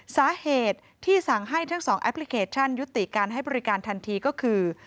สาเหตุที่สั่งให้ทั้งสองแอปพลิเคชันยุติการให้บริการทันทีก็คือ